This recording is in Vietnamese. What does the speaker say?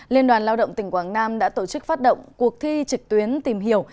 liên đoàn lao động tỉnh quảng nam đã tổ chức phát động cuộc thi trực tuyến tìm hiểu